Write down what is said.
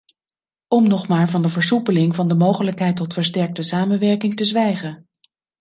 Om nog maar van de versoepeling van de mogelijkheid tot versterkte samenwerking te zwijgen.